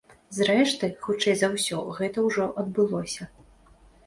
Зрэшты, хутчэй за ўсё, гэта ўжо адбылося.